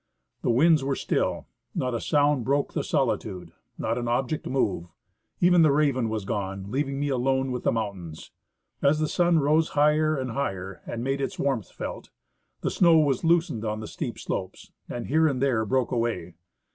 The winds were still; not a sound broke the solitude; not an object moved. Even the raven had gone, leaving me alone with the mountains. As the sun rose higher and higher and made its warmth felt, the snow was loosened on the steep slopes and here and there broke away.